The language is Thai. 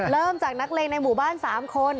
เริ่มจากนักเลงในหมู่บ้าน๓คน